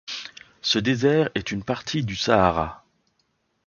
Ce désert est une partie du Sahara.